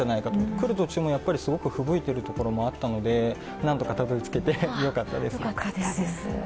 来る途中もすごくふぶいていたところもあったのでなんとかたどり着けてよかったです。